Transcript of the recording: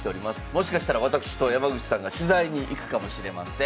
もしかしたらわたくしと山口さんが取材に行くかもしれません。